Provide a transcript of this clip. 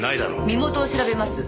身元を調べます。